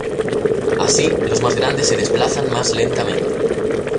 Así, los más grandes se desplazan más lentamente.